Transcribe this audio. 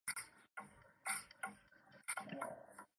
东汉初年复名衙县。